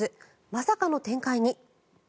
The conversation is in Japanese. まさかの展開に。